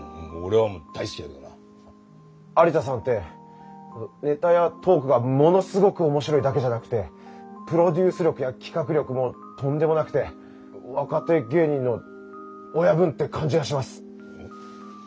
有田さんってネタやトークがものすごく面白いだけじゃなくてプロデュース力や企画力もとんでもなくて若手芸人の親分って感じがします。